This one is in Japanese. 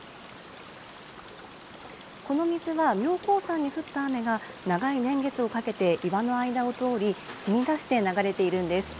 この水は妙高山に降った雨が、長い年月をかけて岩の間を通り、しみだして流れているんです。